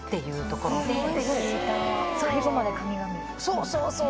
そうそうそう。